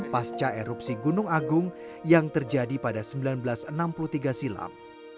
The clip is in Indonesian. pasca erupsi gunung agung yang terjadi pada seribu sembilan ratus enam puluh tiga silam